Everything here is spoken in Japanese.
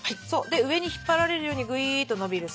で上に引っ張られるようにグイーッと伸びる。